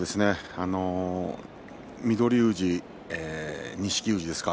翠富士、錦富士ですか